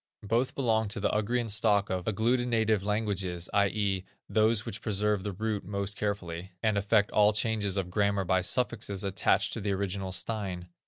Both belong to the Ugrian stock of agglutinative languages, i.e., those which preserve the root most carefully, and effect all changes of grammar by suffixes attached to the original stein.